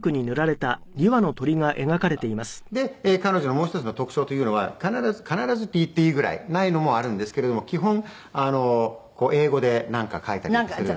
彼女のもう１つの特徴というのは必ず必ずって言っていいぐらいないのもあるんですけれども基本英語でなんか書いたりとかするんですね。